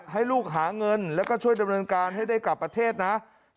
ให้ลูกหาเงินแล้วก็ช่วยดำเนินการให้ได้กลับประเทศนะ